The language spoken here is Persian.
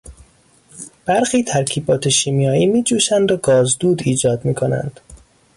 برخی ترکیبات شیمیایی میجوشند و گازدود ایجاد میکنند.